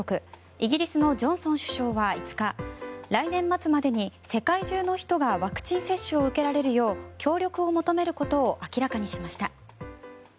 イギリスのジョンソン首相は５日来年末までに世界中の人がワクチン接種を受けられるよう協力を求めることを明らかにしました。